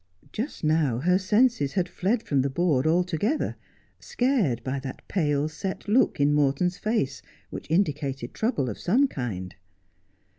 Just now her senses had fled from the board altogether, scared by that pale, set look in Morton's face, which indicated trouble of some kind.